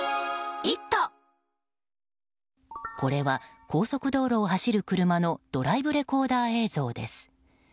これは高速道路を走る車のドライブレコーダー映像です。